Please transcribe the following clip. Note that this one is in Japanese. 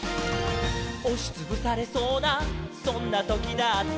「おしつぶされそうなそんなときだって」